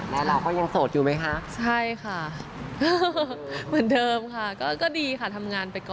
แล้วเราก็ยังโสดอยู่ไหมคะ